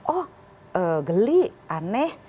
oh geli aneh